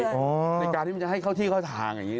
ในการที่จะให้เข้าที่เข้าทาง